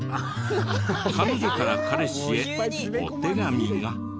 彼女から彼氏へお手紙が。